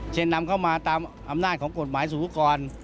นำเข้ามาตามอำนาจของกฎหมายสูงกร